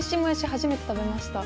初めて食べました。